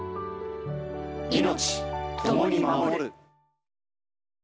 命ともに守る。